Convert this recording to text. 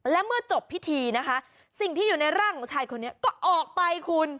และเมื่อจบพิธีนะคะสิ่งที่อยู่ในร่างของชายคนนี้ก็ออกไปคุณ